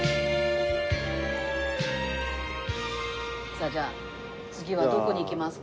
さあじゃあ次はどこに行きますか？